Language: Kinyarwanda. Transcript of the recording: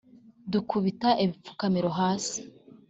Dukubita ibipfukamiro hasi